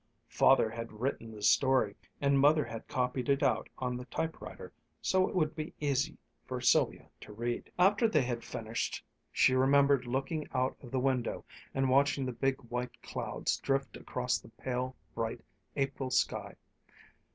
Father had written the story, and Mother had copied it out on the typewriter so it would be easy for Sylvia to read. After they had finished she remembered looking out of the window and watching the big white clouds drift across the pale bright April sky.